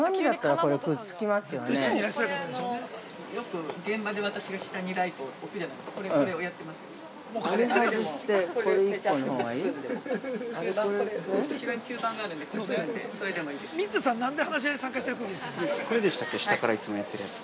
◆これでしたっけ、下からいつもやってるやつ。